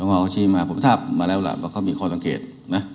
สวทงเขาชี้มาผมถ้ามาแล้วล่ะเขามีข้อตังเกตนะ